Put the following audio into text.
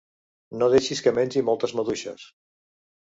No deixis que mengi moltes maduixes.